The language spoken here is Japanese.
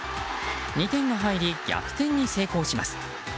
２点が入り、逆転に成功します。